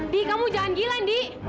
di kamu jangan gila indi